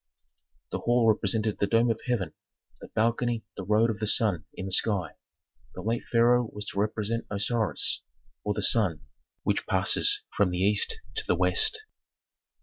The hall represented the dome of heaven, the balcony the road of the sun in the sky. The late pharaoh was to represent Osiris, or the sun, which passes from the east to the west.